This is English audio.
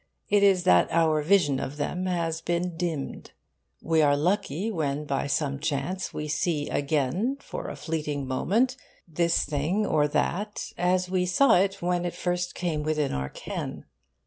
It is that our vision of them has been dimmed. We are lucky when by some chance we see again, for a fleeting moment, this thing or that as we saw it when it first came within our ken.